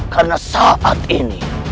karena saat ini